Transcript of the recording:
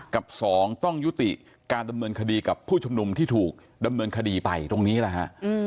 กับสองต้องยุติการดำเนินคดีกับผู้ชุมนุมที่ถูกดำเนินคดีไปตรงนี้แหละฮะ